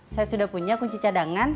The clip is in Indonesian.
saya sudah punya kunci cadangan